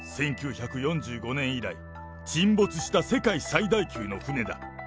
１９４５年以来、沈没した世界最大級の船だ。